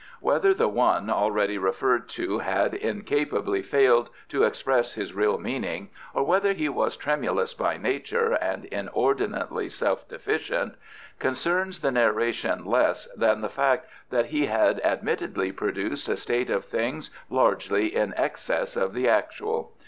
Whether the one already referred to had incapably failed to express his real meaning, or whether he was tremulous by nature and inordinately self deficient, concerns the narration less than the fact that he had admittedly produced a state of things largely in excess of the actual.